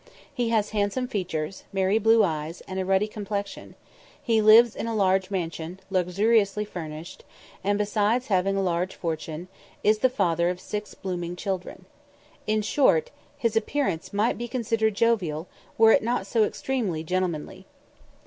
He has handsome features, merry blue eyes, and a ruddy complexion; he lives in a large mansion, luxuriously furnished; and, besides having a large fortune, is the father of six blooming children. In short, his appearance might be considered jovial, were it not so extremely gentlemanly.